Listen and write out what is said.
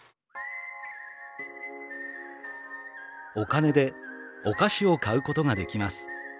「お金でお菓子を買うことができます」。